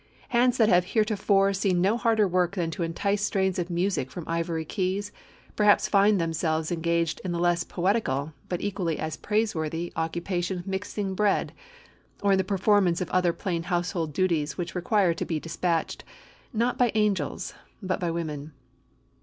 Hands that have heretofore seen no harder work than to entice strains of music from ivory keys, perhaps find themselves engaged in the less poetical, but equally as praiseworthy, occupation of mixing bread, or in the performance of other plain household duties which require to be dispatched, not by angels, but by women.